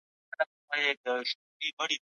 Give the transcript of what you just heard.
چا چي سمه څېړنه کړې وي، پایله یې مثبته وي.